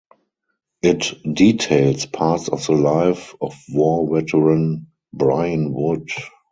It details parts of the life of war veteran Brian Wood.